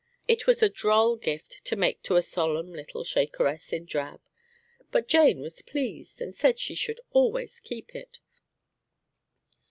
It was a droll gift to make to a solemn little Shakeress in drab; but Jane was pleased, and said she should always keep it.